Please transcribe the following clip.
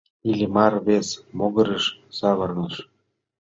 Иллимар вес могырыш савырныш.